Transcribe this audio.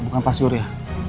bukan pastri bukalau ya